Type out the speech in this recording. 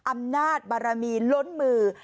อำนาจบารมีล้นมือ